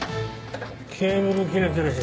ケーブル切れてるし。